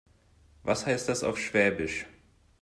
Was heißt das auf Schwäbisch?